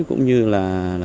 cũng như là